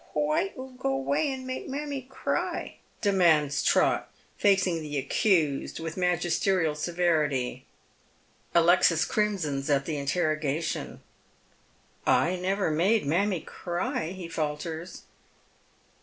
" Why 00 go 'way and make mammie cry ?" demands Trot, facing the accused with magisterial seventy. Alexis crimsons at the interrogation. " I never made mammie cry," he falters.